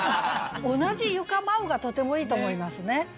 「同じ床舞う」がとてもいいと思いますね。